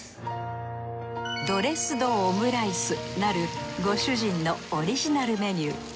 ドレス・ド・オムライスなるご主人のオリジナルメニュー。